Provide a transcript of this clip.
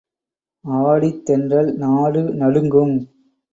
ஆடித் தென்றல் நாடு நடுங்கும்.